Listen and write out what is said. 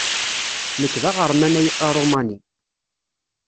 Nekk d aɣerman aṛumani.